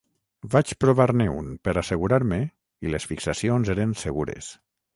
Vaig provar-ne un per assegurar-me i les fixacions eren segures.